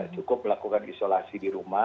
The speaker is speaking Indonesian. cukup melakukan isolasi di rumah